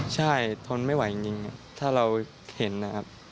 ใช่ทนไม่ไหวจริงถ้าเราเห็นนะครับ